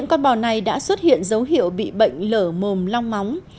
này đã xuất hiện dấu hiệu bị bệnh lở mồm long móng